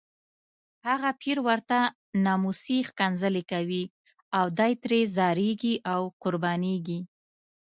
هغه پیر ورته ناموسي ښکنځلې کوي او دی ترې ځاریږي او قربانیږي.